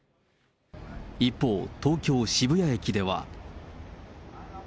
一方、東京・渋谷駅では。